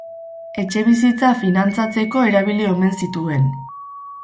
Etxebizitza finantzatzeko erabili omen zituen.